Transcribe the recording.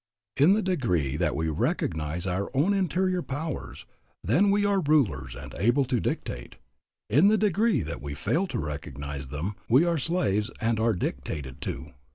In the degree that we recognize our own interior powers, then are we rulers and able to dictate; in the degree that we fail to recognize them, we are slaves, and are dictated to.